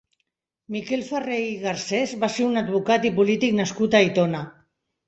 Miquel Ferrer i Garcés va ser un advocat i polític nascut a Aitona.